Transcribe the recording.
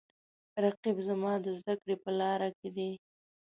رقیب زما د زده کړې په لاره کې دی